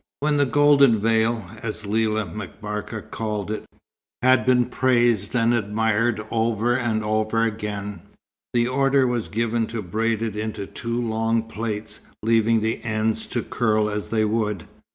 When the golden veil, as Lella M'Barka called it, had been praised and admired over and over again, the order was given to braid it in two long plaits, leaving the ends to curl as they would.